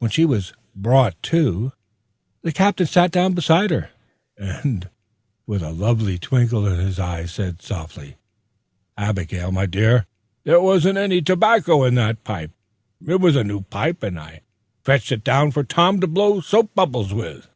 When she was "brought to," the Captain sat down beside her, and, with a lovely twinkle in his eye, said softly: "Abigail, my dear, there wasn't any tobacco in that Pipe! It was a new pipe. I fetched it down for Tom to blow soap bubbles with."